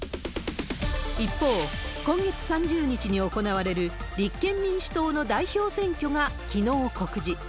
一方、今月３０日に行われる立憲民主党の代表選挙がきのう告示。